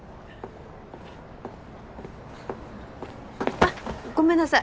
あっごめんなさい！